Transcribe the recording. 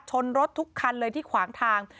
ชนรถทุกคันเลยที่ขวางทาง